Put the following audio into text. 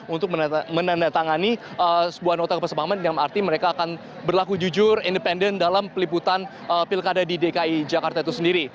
untuk menandatangani sebuah nota kesepahaman yang arti mereka akan berlaku jujur independen dalam peliputan pilkada di dki jakarta itu sendiri